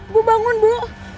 bu bangun bu